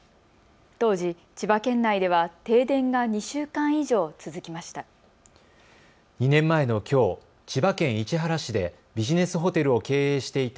当時、千葉県内では停電が２週間以上、続きました。